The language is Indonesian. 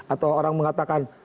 atau orang mengatakan